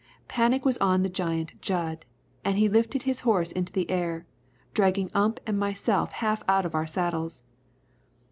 Panic was on the giant Jud, and he lifted the horse into the air, dragging Ump and myself half out of our saddles.